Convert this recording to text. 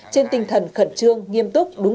trên tinh thần khẩn trương nghiêm túc đúng